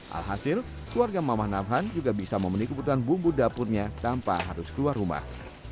alhasil keluarga mamah nabhan juga bisa memenikubkan bumbu dapurnya tanpa harus keluar rumah